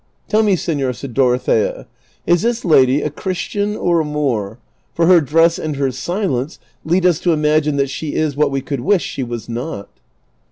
'' Tell me, seilor," said Dorothea, " is this lady a Christian or a Moor ? for her dress and her silence lead us to imagine that she is what we could wish she was not."